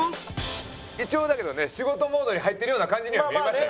一応だけどね仕事モードに入ってるような感じには見えましたよ